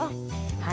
はい。